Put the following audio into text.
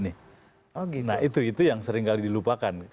itu yang seringkali dilupakan